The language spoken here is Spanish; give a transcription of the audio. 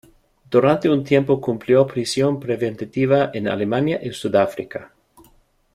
Durante un tiempo cumplió prisión preventiva en Alemania y Sudáfrica.